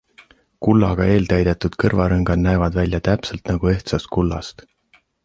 Kullaga eeltäidetud kõrvarõngad näevad välja täpselt nagu ehtsast kullast.